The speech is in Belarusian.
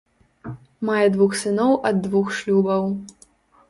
Мае двух сыноў ад двух шлюбаў.